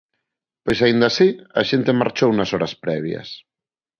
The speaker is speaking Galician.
Pois aínda así, a xente marchou nas horas previas.